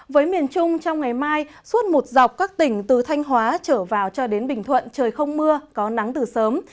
với miền trung trong ngày mai suốt một dọc các tỉnh từ thanh hóa trở vào cho đến bình thuận trời không mưa có nắng từ sớm